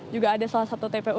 juga ada salah satu tpu